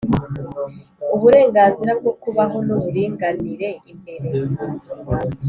uburenganzira bwo kubaho n'uburinganire imbere